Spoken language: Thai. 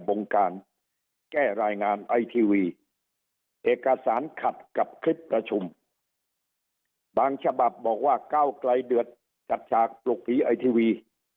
วงการแก้รายงานไอทีวีเอกสารขัดกับคลิปประชุมบางฉบับบอกว่าก้าวไกลเดือดจัดฉากปลุกผีไอทีวี